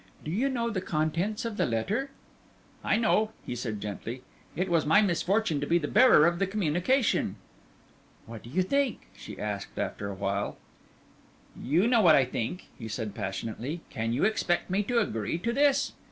Do you know the contents of the letter?" "I know," he said, gently; "it was my misfortune to be the bearer of the communication." "What do you think?" she asked, after a while. "You know what I think," he said, passionately. "Can you expect me to agree to this?"